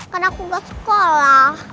kan aku ga sekolah